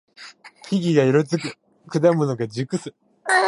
木々が色づく。果物が熟す。